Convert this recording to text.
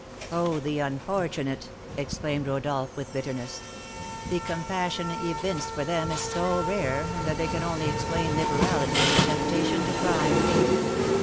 "Oh, the unfortunate!" exclaimed Rodolph, with bitterness. "The compassion evinced for them is so rare, that they can only explain liberality as a temptation to crime!"